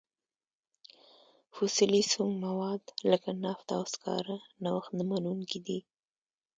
فسیلي سونګ مواد لکه نفت او سکاره نوښت نه منونکي دي.